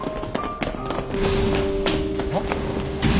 あっ。